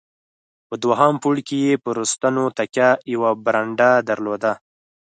په دوهم پوړ کې یې پر ستنو تکیه، یوه برنډه درلوده.